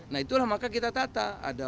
nah itulah maka kita tata